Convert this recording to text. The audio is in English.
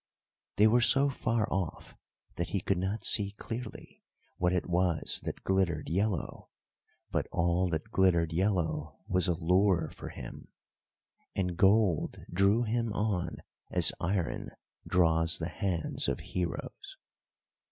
They were so far off that he could not see clearly what it was that glittered yellow, but all that glittered yellow was a lure for him, and gold drew him on as iron draws the hands of heroes.